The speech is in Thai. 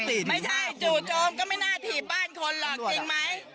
ตำรวจจะมาแล้วตำรวจนะครับ